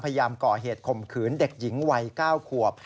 พยายามก่อเหตุข่มขืนเด็กหญิงวัย๙ขวบ